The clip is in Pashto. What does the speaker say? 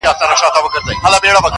هغه ويل د هغه غره لمن کي٫